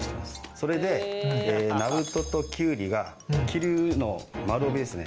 それでナルトときゅうりが桐生の丸帯ですね